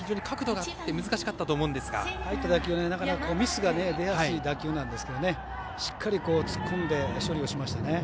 ああいった打球はミスが出やすい打球なんですがしっかり突っ込んで処理しましたね。